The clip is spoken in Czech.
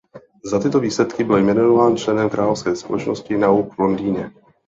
Za tyto výsledky byl jmenován členem Královské společnosti nauk v Londýně.